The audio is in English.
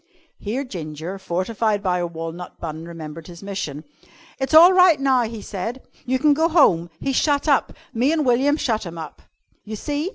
Here Ginger, fortified by a walnut bun, remembered his mission. "It's all right now," he said. "You can go home. He's shut up. Me an' William shut him up." "You see!"